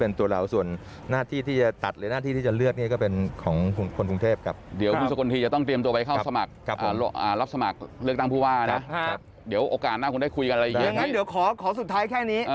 เพราะฉนั่นเนี่ยเราก็คงนำเสนอ